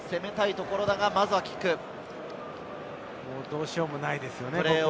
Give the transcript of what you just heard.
もうどうしようもないですね。